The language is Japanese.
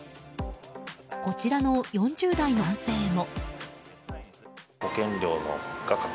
こちらの４０代の男性も。